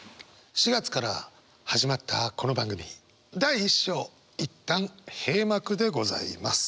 ４月から始まったこの番組第一章一旦閉幕でございます。